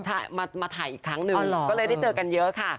ใช่มาถ่ายอีกครั้งหนึ่งก็เลยได้เจอกันเยอะค่ะ